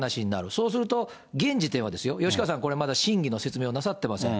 そうすると、現時点はですよ、吉川さん、これまだ真偽の説明をなさってません。